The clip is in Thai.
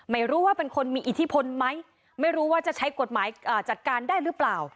ไม่รู้ว่าเป็นคนมีอิทธิพลไหมไม่รู้ว่าจะใช้กฎหมายจัดการได้หรือเปล่า